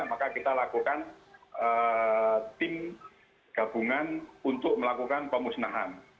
maka kita lakukan tim gabungan untuk melakukan pemusnahan